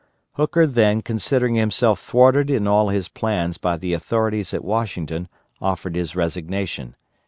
Hooker then considering himself thwarted in all his plans by the authorities at Washington, offered his resignation.